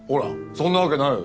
そんなわけないよ。